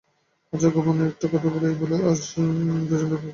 আচ্ছা, গোপনে একটা কথা বলি, ভুলে আজ সকালে দুজন রোগীকে মেরে ফেলেছি।